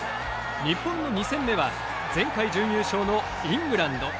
日本の２戦目は前回準優勝のイングランド。